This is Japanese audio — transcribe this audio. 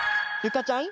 かちゃん